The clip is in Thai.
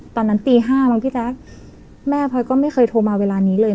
ตอนนั้นตีห้ามั้งพี่แจ๊คแม่พลอยก็ไม่เคยโทรมาเวลานี้เลย